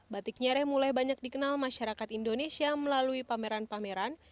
batik nyere mulai banyak dikenal masyarakat indonesia melalui pameran pameran